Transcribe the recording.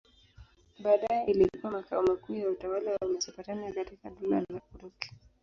Baadaye ilikuwa makao makuu ya utawala wa Mesopotamia katika Dola la Uturuki.